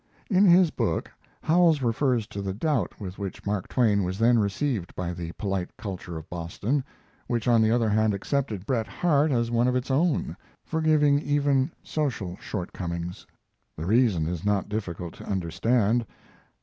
In his book Howells refers to the doubt with which Mark Twain was then received by the polite culture of Boston; which, on the other hand, accepted Bret Harte as one of its own, forgiving even social shortcomings. The reason is not difficult to understand.